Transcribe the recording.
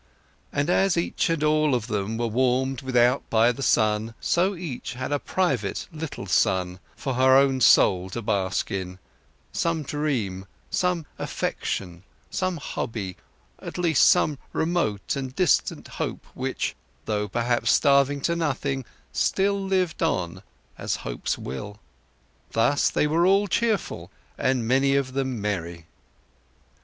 And as each and all of them were warmed without by the sun, so each had a private little sun for her soul to bask in; some dream, some affection, some hobby, at least some remote and distant hope which, though perhaps starving to nothing, still lived on, as hopes will. They were all cheerful, and many of them merry.